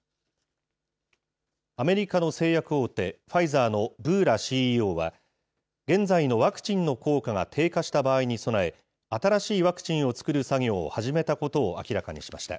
アメリカの製薬大手、ファイザーのブーラＣＥＯは、現在のワクチンの効果が低下した場合に備え、新しいワクチンを作る作業を始めたことを明らかにしました。